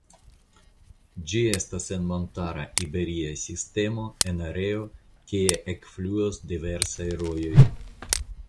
Ĝi estas en montara Iberia Sistemo en areo kie ekfluas diversaj rojoj.